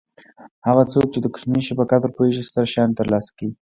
هغه څوک چې د کوچني شي په قدر پوهېږي ستر شیان ترلاسه کوي.